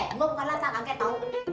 eh gua bukan lata kakek tau